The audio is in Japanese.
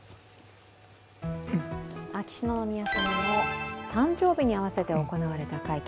秋篠宮さまの誕生日に合わせて行われた会見。